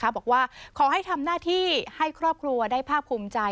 บอกว่าขอให้ทำหน้าที่ให้ครอบครัวได้ภาคภูมิใจ